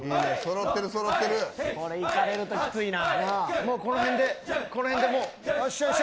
これいかれるときついな。